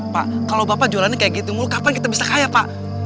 pak kalau bapak jualannya kayak gitu mulu kapan kita bisa kaya pak